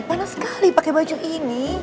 panas sekali pakai baju ini